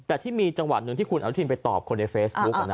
แต่ที่มีจังหวะหนึ่งที่คุณอนุทินไปตอบคนในเฟซบุ๊ก